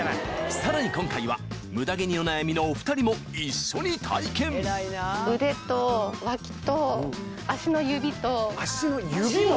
さらに今回はムダ毛にお悩みのお２人も一緒に体験足の指も？